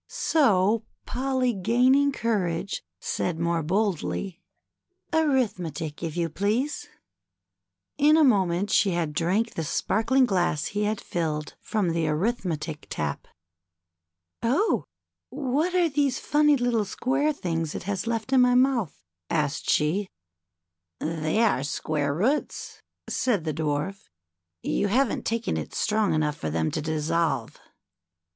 So Polly gaining courage, said more boldly, ^^Arith metic, if you please." "what will you have?" In a moment she had drank the sparkling glass he had filled from the Arithmetic tap. POLLY'S VISIT TO THE BOOK KITCHEN. 167 Oh ! what are these funny little square things it has left in my mouth?'' asked she. ^^They are square roots/' said the Dwarf. You haven't taken it strong enough for them to dissolve."